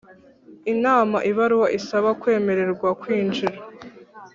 inama Ibaruwa isaba kwemererwa kwinjira